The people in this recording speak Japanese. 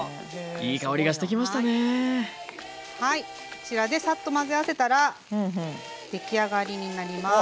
こちらでサッと混ぜ合わせたら出来上がりになります。